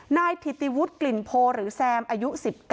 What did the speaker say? นายถิติวุฒิกลิ่นโพหรือแซมอายุ๑๙